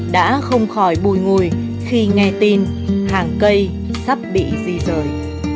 đã không khỏi bùi ngùi khi nghe tin hàng cây sắp bị di rời